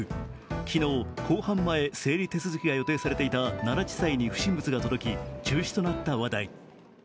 昨日、公判前整理手続が予定されていた奈良地裁に不審物が届き、中止となった話題。